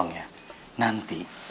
mau ada itu